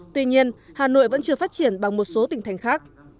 tuy nhiên hà nội vẫn chưa phát triển bằng một số tỉnh thành khác